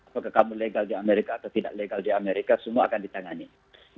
apakah kamu legal di amerika atau tidak legal di amerika semua akan ditangani